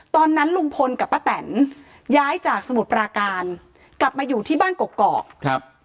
ตอนนั้นลุงพลกับป้าแตนย้ายจากสมุทรปราการกลับมาอยู่ที่บ้านกอกครับ